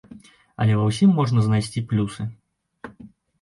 Але ва ўсім можна знайсці плюсы.